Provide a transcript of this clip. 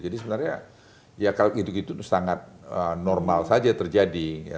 jadi sebenarnya ya kalau begitu begitu sangat normal saja terjadi